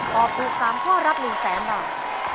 ตอบถูก๓ข้อรับ๑๐๐๐๐๐บาท